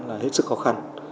là hết sức khó khăn